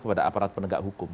kepada aparat penegak hukum